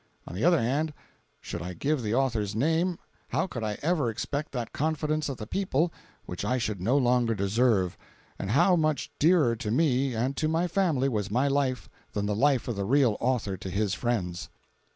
On the other hand, should I give the author's name how could I ever expect that confidence of the People which I should no longer deserve, and how much dearer to me and to my family was my life than the life of the real author to his friends.